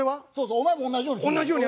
お前も同じように。